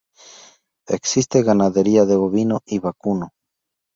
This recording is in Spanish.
Existe ganadería de ovino y vacuno.